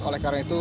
oleh karena itu